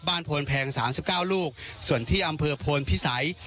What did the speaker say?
โพนแพงสามสิบเก้าลูกส่วนที่อำเภอโพนพิสัย